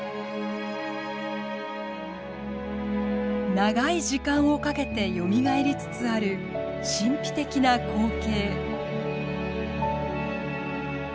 長い時間をかけてよみがえりつつある神秘的な光景。